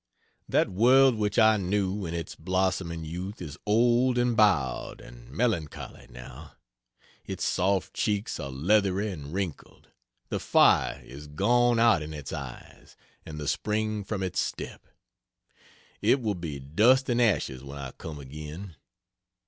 That world which I knew in its blossoming youth is old and bowed and melancholy, now; its soft cheeks are leathery and wrinkled, the fire is gone out in its eyes, and the spring from its step. It will be dust and ashes when I come again.